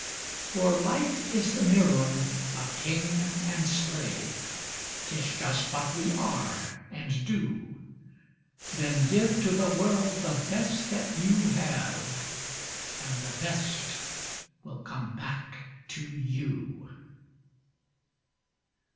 For life is the mirror of king and slave, 'Tis just what we are and do; Then give to the world the best you have And the best will come back to you.